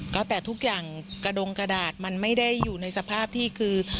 ก็แต่ทุกอย่างกระดงกระดาษมันไม่ได้อยู่ในสภาพที่คือ